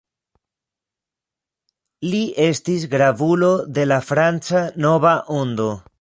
Li estis gravulo de la Franca Nova Ondo.